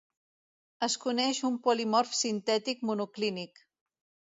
Es coneix un polimorf sintètic monoclínic.